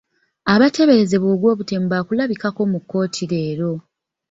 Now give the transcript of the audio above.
Abateeberezebwa ogw'obutemu baakulabikako mu kkooti leero.